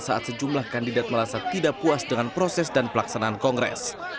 saat sejumlah kandidat merasa tidak puas dengan proses dan pelaksanaan kongres